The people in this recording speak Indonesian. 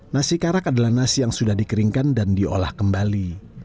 nasi karak adalah nasi yang sudah dikeringkan dan diolah kembali